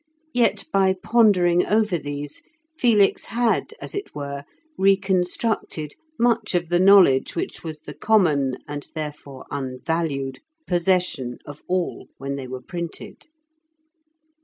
Yet, by pondering over these, Felix had, as it were, reconstructed much of the knowledge which was the common (and therefore unvalued) possession of all when they were printed.